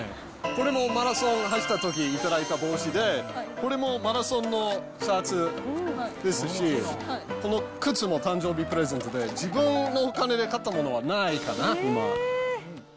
これもマラソン走ったとき頂いた帽子で、これもマラソンのシャツですし、この靴も誕生日プレゼントで、自分のお金で買ったものはないかな、今。